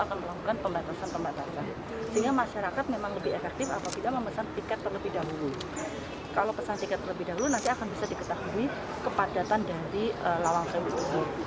kalau pesan tiket terlebih dahulu nanti akan bisa diketahui kepadatan dari lawang sendu ini